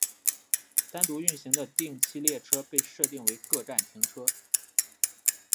单独运行的定期列车被设定为各站停车。